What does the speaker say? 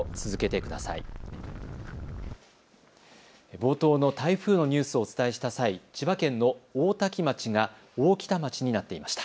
冒頭の台風のニュースをお伝えした際、千葉県の大多喜町が大喜多町になっていました。